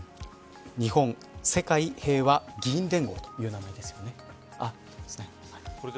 日本・世界平和議員連合という名前ですよね。